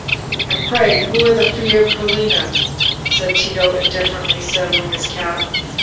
"And pray who are the Fierucoloni?" said Tito, indifferently, settling his cap.